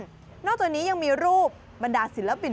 นอกจากนี้ยังมีรูปบรรดาศิลปิน